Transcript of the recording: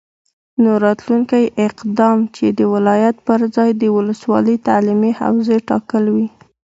نو راتلونکی اقدام چې د ولایت پرځای د ولسوالي تعلیمي حوزې ټاکل وي،